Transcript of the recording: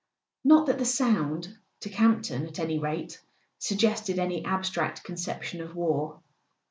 Not that the sound, to Camp ton at any rate, sug¬ gested any abstract conception of war.